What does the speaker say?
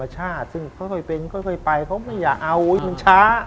ชาติซึ่งค่อยเป็นค่อยไปเขาไม่อยากเอามันช้า